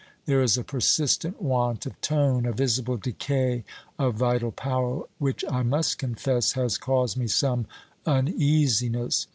There is a persistent want of tone a visible decay of vital power which, I must confess, has caused me some uneasiness.